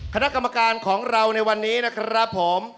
คณะกรรมการของเราในวันนี้นะครับผม